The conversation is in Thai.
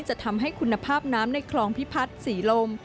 จะทำให้คุณภาพน้ำในคลองพิพัฒน์ศรีลม